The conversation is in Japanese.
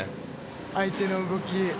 相手の動き。